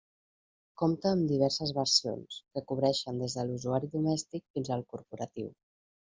Compta amb diverses versions, que cobreixen des de l'usuari domèstic fins al corporatiu.